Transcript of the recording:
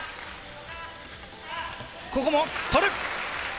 ここも取る。